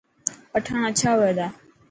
پٺاڻ اڇا هوئي تا.